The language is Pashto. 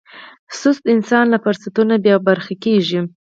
سست انسان له فرصتونو بې برخې کېږي.